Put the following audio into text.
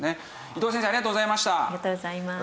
伊藤先生ありがとうございました。